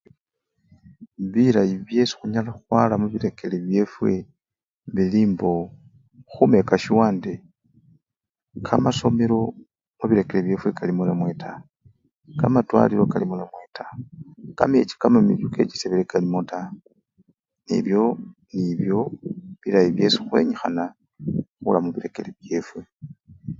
Bilayii byesi hunyala hwara mubirekere byefwe bilii mbo humeka shuwa ndi kamasomelo mubirekeri byefwe kalimo namwe taa, kamatwalilo kalimo namwe taa, kamechi kamamiliyu kesebele kalimo namwe taa ebyo nibyo bilayi byesi hwenyihana hura mubirekeri byefwe